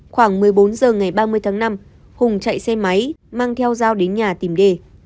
khoảng một mươi bốn h ngày ba mươi tháng năm hùng chạy xe máy mang theo dao đến nhà tìm ghê